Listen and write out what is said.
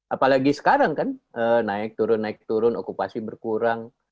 apalagi sekarang kan naik turun naik turun okupasi berkurang